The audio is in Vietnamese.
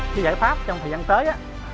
khi giải pháp trong thời gian tới